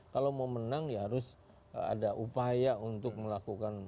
kalau mau menang ya harus ada upaya untuk melakukan